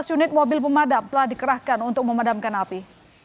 delapan belas unit mobil pemadam telah dikerahkan untuk memadamkan api